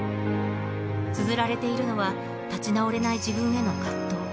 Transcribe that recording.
つづられているのは、立ち直れない自分への葛藤。